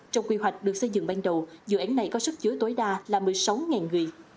trong quy hoạch được xây dựng ban đầu dự án này có sức chứa tối đa là một mươi sáu người